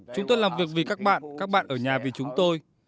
chúng tôi làm việc vì các bạn các bạn ở nhà vì chúng tôi